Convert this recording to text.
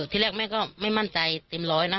ที่แรกแม่ก็ไม่มั่นใจเต็มร้อยนะ